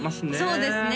そうですね